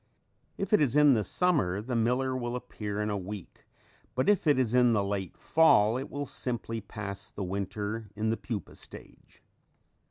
If it is in the summer the miller will appear in a week, but if it is in the late fall it will simply pass the winter in the pupa stage.